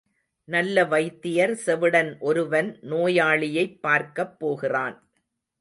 நல்ல வைத்தியர் செவிடன் ஒருவன் நோயாளியைப் பார்க்கப் போகிறான்.